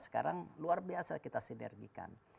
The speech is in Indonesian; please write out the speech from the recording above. sekarang luar biasa kita sinergikan